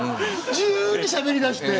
自由にしゃべりだして。